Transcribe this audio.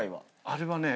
あれはね